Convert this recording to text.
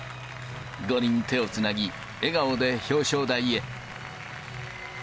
５人手をつなぎ、笑顔で表彰台へ。